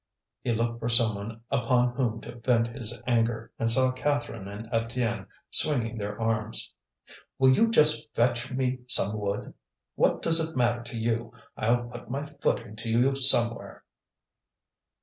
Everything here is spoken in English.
He looked for someone upon whom to vent his anger, and saw Catherine and Étienne swinging their arms. "Will you just fetch me some wood! What does it matter to you? I'll put my foot into you somewhere!"